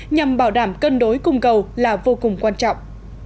nhằm bảo đảm cân đối cung cầu là vô cùng quan trọng